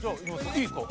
いいですか？